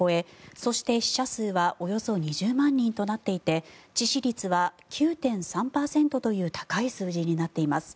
そして、死者数はおよそ２０万人となっていて致死率は９．３％という高い数字になっています。